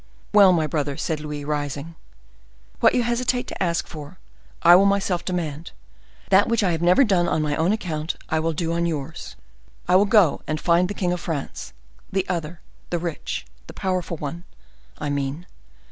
"Well, my brother," said Louis, rising, "what you hesitate to ask for, I will myself demand; that which I have never done on my own account, I will do on yours. I will go and find the king of France—the other—the rich, the powerful one, I mean.